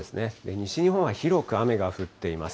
西日本は広く雨が降っています。